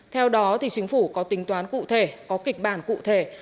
theo đó chính phủ có tính toán cụ thể có kịch bản cụ thể